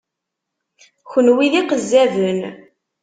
Kenwi d iqezzaben!